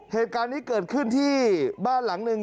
เหตุการณ์นี้เกิดขึ้นที่บ้านหลังหนึ่ง